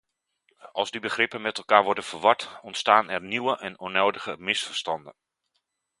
Als die begrippen met elkaar worden verward ontstaan er nieuwe en onnodige misverstanden.